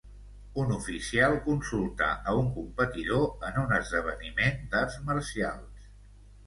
Un oficial consulta a un competidor en un esdeveniment d'arts marcials.